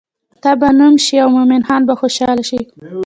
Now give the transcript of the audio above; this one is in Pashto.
ستا به نوم شي او مومن خان به خوشحاله شي.